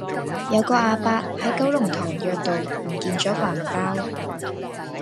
有個亞伯喺九龍塘約道唔見左個銀包